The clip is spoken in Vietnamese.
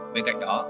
bên cạnh đó